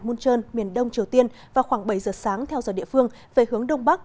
môn trơn miền đông triều tiên vào khoảng bảy giờ sáng theo giờ địa phương về hướng đông bắc